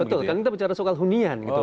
betul kan kita bicara soal hunian gitu